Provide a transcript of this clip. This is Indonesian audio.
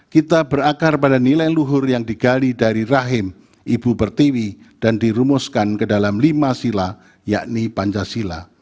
kita berakar pada nilai luhur yang digali dari rahim ibu pertiwi dan dirumuskan ke dalam lima sila yakni pancasila